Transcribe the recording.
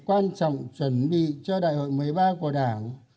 quan trọng chuẩn bị cho đại hội một mươi ba của đảng